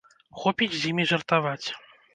Хопіць з імі жартаваць.